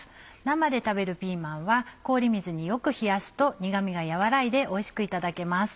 生で食べるピーマンは氷水によく冷やすと苦味が和らいでおいしくいただけます。